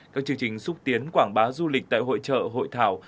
các chương trình xúc tiến quảng bá du lịch tại hội trợ hội thảo